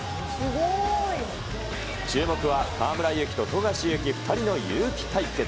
注目は、河村勇輝と富樫勇樹、２人のゆうき対決。